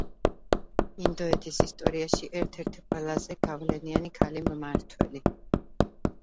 ინდოეთის ისტორიაში ერთ-ერთი ყველაზე გავლენიანი ქალი მმართველი.